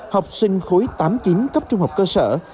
học sinh khối tám chín cấp trung học cơ sở